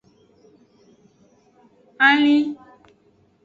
Alin.